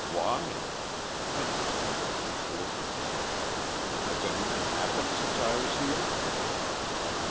"Why?" Kent was instantly solicitous. "Has anything happened since I was here?"